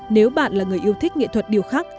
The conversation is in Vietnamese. nếu bạn là người yêu thích nghệ thuật điều khắc